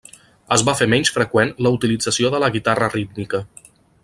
Es va fer menys freqüent la utilització de la guitarra rítmica.